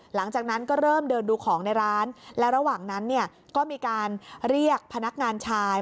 หลังจากนั้นก็เริ่มเดินดูของในร้านและระหว่างนั้นเนี่ยก็มีการเรียกพนักงานชาย